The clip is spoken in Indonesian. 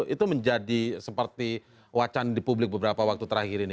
itu menjadi seperti wacana di publik beberapa waktu terakhir ini